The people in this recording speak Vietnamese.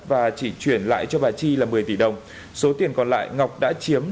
và chỉ chuyển lại cho bà chi là một mươi tỷ đồng số tiền còn lại ngọc đã chiếm